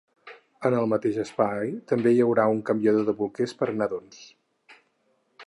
En el mateix espai també hi haurà un canviador de bolquers per a nadons.